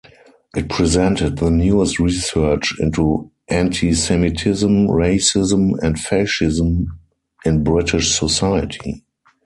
It presented the newest research into antisemitism, racism, and fascism in British society.